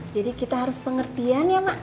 jadi kita harus pengertian ya mak